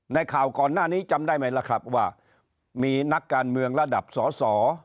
ข่าวก่อนหน้านี้จำได้ไหมล่ะครับว่ามีนักการเมืองระดับสอสอ